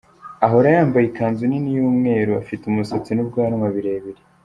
Ahora yambaye ikanzu nini y’umweru, afite umusatsi n’ubwanwa birebire.